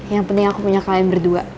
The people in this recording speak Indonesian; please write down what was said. yang penting aku punya kalian berdua